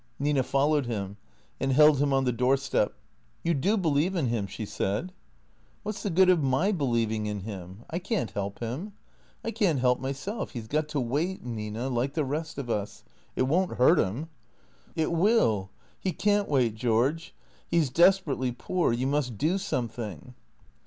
Nina followed him and held him on the doorstep. "You do believe in him?" she said. " What 's the good of nij/ believing in him ? I can't help him. I can't help myself. He 's got to wait, Nina, like the rest of us. It won't hurt him." " It will. He can't wait, George. He 's desperately poor. You must do something."